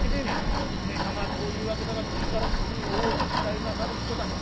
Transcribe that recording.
おめえ様はどういうわけだか次から次に用をこしらえなさる人だ。